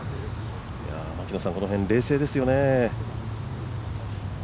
この辺、冷静ですよね。